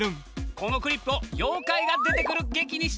このクリップを妖怪が出てくる劇にしちゃうぞ！